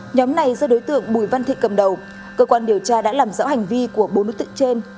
nhóm này do đối tượng bùi văn thị cầm đầu cơ quan điều tra đã làm rõ hành vi của bốn đối tượng trên